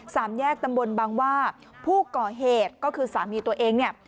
สามแยกตำบลบางว่าผู้ก่อเหตุก็คือสามีตัวเองเนี่ย